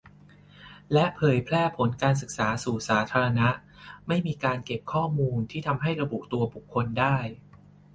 และเผยแพร่ผลการศึกษาสู่สาธารณะ - ไม่มีการเก็บข้อมูลที่ทำให้ระบุตัวบุคคลได้